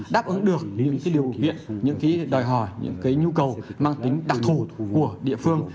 đáp ứng được những điều kiện những đòi hỏi những nhu cầu mang tính đặc thù của địa phương